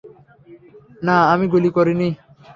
না, আমি গুলি করিনি!